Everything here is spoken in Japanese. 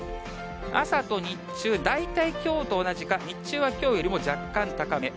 朝と日中、大体きょうと同じか、日中はきょうよりも若干高め。